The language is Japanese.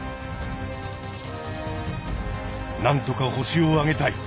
なんとかホシをあげたい。